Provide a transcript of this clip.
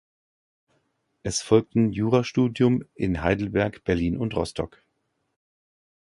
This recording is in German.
Es folgten Jurastudium in Heidelberg, Berlin und Rostock.